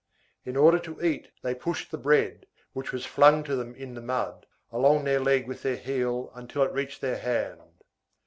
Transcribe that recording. In order to eat, they pushed the bread, which was flung to them in the mud, along their leg with their heel until it reached their hand.